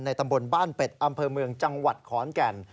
ตำบลบ้านเป็ดอำเภอเมืองจังหวัดขอนแก่น